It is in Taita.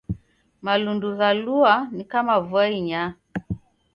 Marundu ghalua ni kama vua inyaa